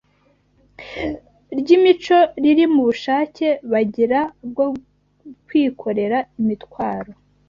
ry’imico riri mu bushake bagira bwo kwikorera imitwaro